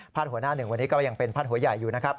หัวหน้าหนึ่งวันนี้ก็ยังเป็นพาดหัวใหญ่อยู่นะครับ